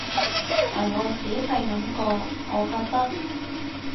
但我仔細諗過，我覺得